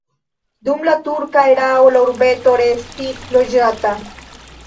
Dum la turka erao la urbeto restis loĝata.